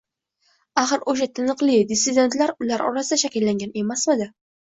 Axir o‘sha “taniqli dissidentlar”, ular orasida shakllangan emasmidi?